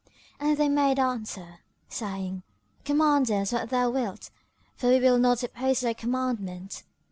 And they made answer, saying, "Command us what thou wilt, for we will not oppose thy commandment."